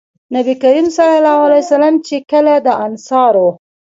نبي کريم صلی الله عليه وسلم چې کله د انصارو